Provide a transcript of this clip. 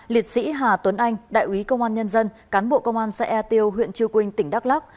ba liệt sĩ hà tuấn anh đại quý công an nhân dân cán bộ công an xã e tiêu huyện chư quynh tỉnh đắk lắc